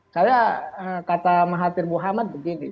karena kata mahathir muhammad begini